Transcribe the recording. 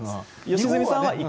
良純さんは一括。